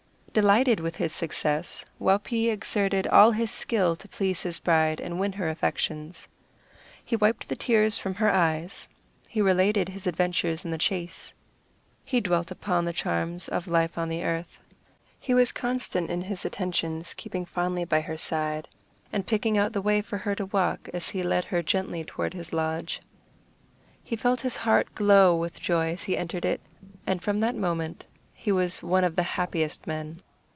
Delighted with his success, Waupee exerted all his skill to please his bride and win her affections. He wiped the tears from her eyes; he related his adventures in the chase; he dwelt upon the charms of life on the earth. He was constant in his attentions, keeping fondly by her side, and picking out the way for her to walk as he led her gently toward his lodge. He felt his heart glow with joy as he entered it, and from that moment he was one of the happiest of men.